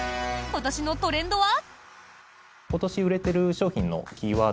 今年のトレンドは？